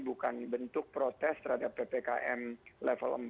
bukan bentuk protes terhadap ppkm level empat